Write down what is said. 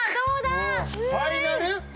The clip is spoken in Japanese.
ファイナル年上？